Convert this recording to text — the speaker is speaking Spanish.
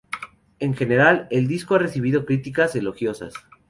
En general, el disco ha recibido críticas elogiosas.